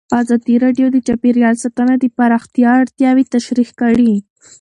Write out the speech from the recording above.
ازادي راډیو د چاپیریال ساتنه د پراختیا اړتیاوې تشریح کړي.